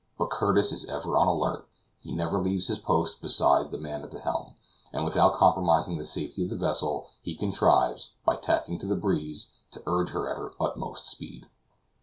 But Curtis is ever on the alert; he never leaves his post beside the man at the helm, and without compromising the safety of the vessel, he contrives, by tacking to the breeze, to urge her on at her utmost speed.